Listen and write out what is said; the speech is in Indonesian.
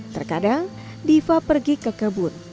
terkadang diva pergi ke kebun